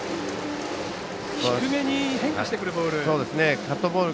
低めに変化してくるボール。